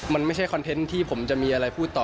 มันไม่ใช่คอนเทนต์ที่ผมจะมีอะไรพูดต่อ